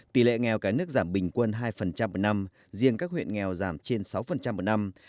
tỷ lệ nghèo cả nước giảm bình quân hai một năm riêng các huyện nghèo giảm trên sáu một năm